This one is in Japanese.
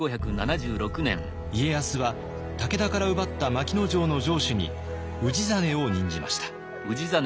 家康は武田から奪った牧野城の城主に氏真を任じました。